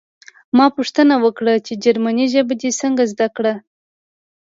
ما پوښتنه وکړه چې جرمني ژبه دې څنګه زده کړه